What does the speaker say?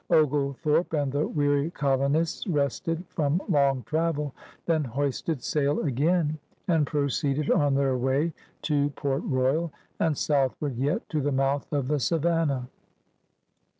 Oglethorpe and the weary colo nists rested from long travel, then hoisted sail again and proceeded on their way to Port Royal, and southward yet to the mouth of the Savannah.